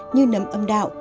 như nấm âm đạo